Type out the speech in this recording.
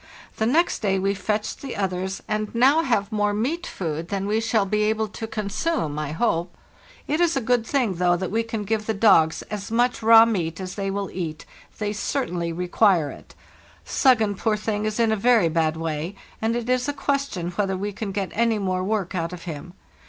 The next day we fetched the others, and now have more meat food than we shall be able to consume, I hope. It is a good thing, though, that we can give the dogs as much raw meat as they will eat; they certainly require it. *'Suggen,' poor thing, is in a very bad way, and it is a question whether we can get any more work out of him.